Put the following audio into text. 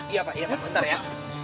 iya pak ya pak bentar ya